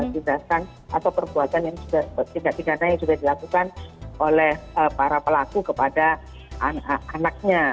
tindakan atau perbuatan yang sudah dilakukan oleh para pelaku kepada anaknya